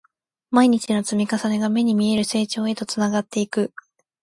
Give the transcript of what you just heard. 毎日の積み重ねが、目に見える成長へとつながっていく